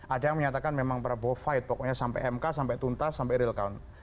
ada yang menyatakan memang prabowo fight pokoknya sampai mk sampai tuntas sampai real count